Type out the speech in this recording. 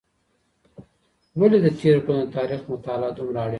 ولې د تېرو کلونو د تاریخ مطالعه دومره اړینه ده؟